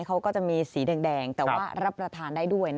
เขาก็จะมีสีแดงแต่ว่ารับประทานได้ด้วย